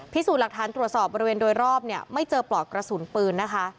พิสูจน์หลักฐานตรวจสอบบริเวณโดยรอบเนี่ยไม่เจอปลอกกระสุนปืนนะคะ